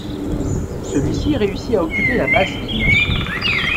Celui-ci réussit à occuper la basse-ville.